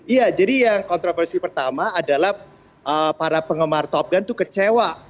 iya jadi yang kontroversi pertama adalah para penggemar top gun itu kecewa